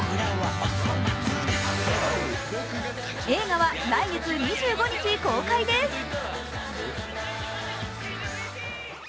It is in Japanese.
映画は来月２５日公開です。